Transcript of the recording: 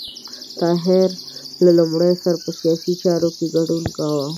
طاهر له لومړي سره په سیاسي چارو کې ګډون کاوه.